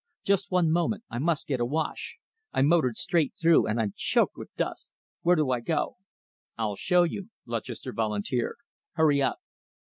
Just one moment. I must get a wash, I motored straight through, and I'm choked with dust. Where do I go?" "I'll show you," Lutchester volunteered. "Hurry up."